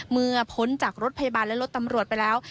พ้นจากรถพยาบาลและรถตำรวจไปแล้ว